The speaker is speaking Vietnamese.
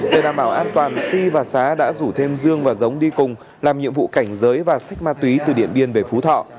tên bảo an toàn si và xá đã rủ thêm dương và giống đi cùng làm nhiệm vụ cảnh giới và xách ma túy từ điện biên về phú thọ